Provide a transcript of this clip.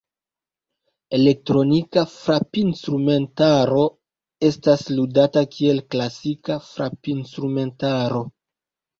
Elektronika frapinstrumentaro estas ludata kiel klasika frapinstrumentaro.